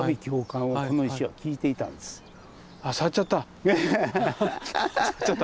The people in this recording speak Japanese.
あ触っちゃった。